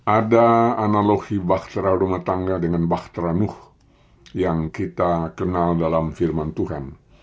ada analogi baktera rumah tangga dengan baktera nuh yang kita kenal dalam firman tuhan